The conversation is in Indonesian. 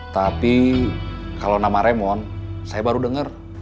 tapi kalau nama remon saya baru dengar